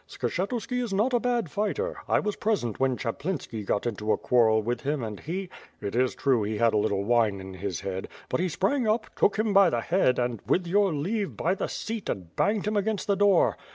Skshctuski is not a bad fighter; I was present when Chaplinski got into a quarrel with him and he — it is true he had a little wine in his head — but he sprang up, took him by the head and, with your leave, by the seat, and banged him against the door.